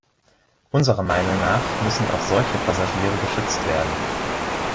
Unserer Meinung nach müssen auch solche Passagiere geschützt werden.